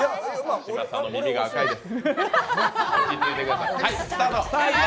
嶋佐の耳が赤いです。